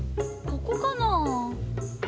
ここかなぁ？